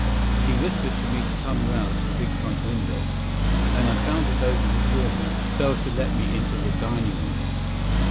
She whispered to me to come round to the big front window, and I found it open before me, so as to let me into the dining room.